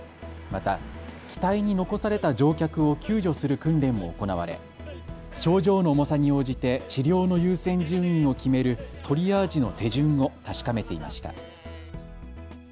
また機体に残された乗客を救助する訓練も行われ症状の重さに応じて治療の優先順位を決めるトリアージの手順を確かめていました。